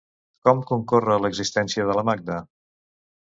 Com concorre l'existència de la Magda?